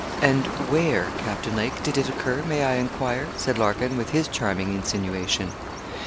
'And where, Captain Lake, did it occur, may I enquire?' said Larkin, with his charming insinuation.